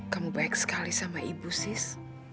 kamu baik sekali sama ibu sis